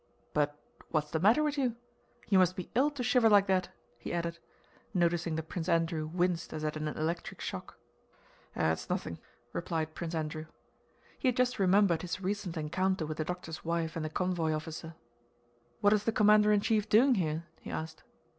But what's the matter with you? You must be ill to shiver like that," he added, noticing that Prince Andrew winced as at an electric shock. "It's nothing," replied Prince Andrew. He had just remembered his recent encounter with the doctor's wife and the convoy officer. "What is the commander in chief doing here?" he asked.